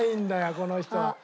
この人は。